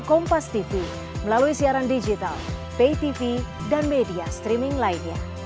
kompastv melalui siaran digital paytv dan media streaming lainnya